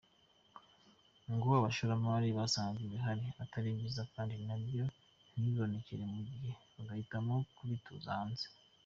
Ngo abashoramari basangaga ibihari atari byiza kandi nabyo ntibibonekere ku gihe bagahitamo kubitumiza hanze.